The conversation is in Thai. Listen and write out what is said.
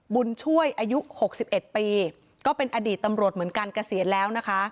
บุญช่วยอายุ๖๑ปีก็เป็นอดีตตำรวจเหมือนกันเกษียณแล้วนะคะ